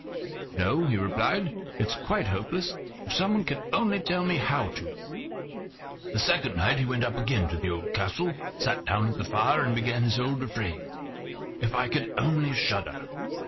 "No," he replied, "it's quite hopeless; if someone could only tell me how to!" The second night he went up again to the old castle, sat down at the fire, and began his old refrain: "If I could only shudder!"